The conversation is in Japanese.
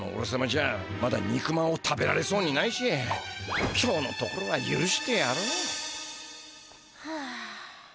じゃまだ肉まんを食べられそうにないしきょうのところはゆるしてやろう。はあ。